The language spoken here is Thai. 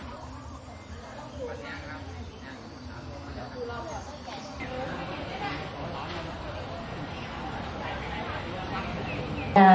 น้องชัดอ่อนชุดแรกก็จะเป็นตัวที่สุดท้าย